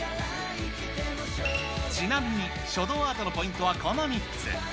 ちなみに、書道アートのポイントはこの３つ。